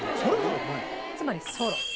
つまりソロ。